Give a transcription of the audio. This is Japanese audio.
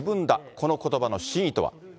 このことばの真意とは。